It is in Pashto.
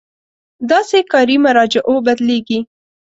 داسې کاري مراجعو بدلېږي.